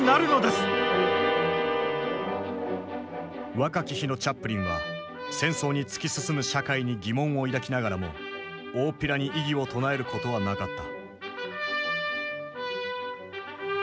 若き日のチャップリンは戦争に突き進む社会に疑問を抱きながらもおおっぴらに異議を唱えることはなかった。